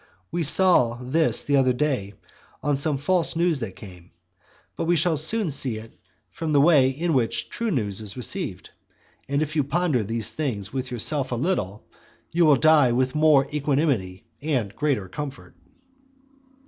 We saw this the other day on some false news that came; but we shall soon see it from the way in which true news is received. And if you ponder these things with yourself a little, you will die with more equanimity, and greater comfort.